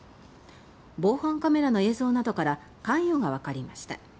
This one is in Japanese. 防犯カメラの映像などから関与がわかりました。